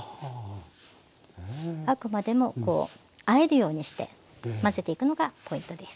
あくまでもあえるようにして混ぜていくのがポイントです。